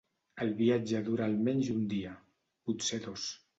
El viatge dura almenys un dia, potser dos.